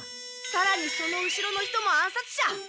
さらにその後ろの人も暗殺者！